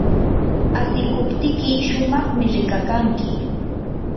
asikuptiyki shumaqmi rikakanki.